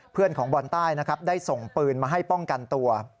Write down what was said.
เพื่อนของบรรไต้ได้ส่งปืนมาให้ป้องกันตัว